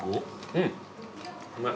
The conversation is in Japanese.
うんうまい。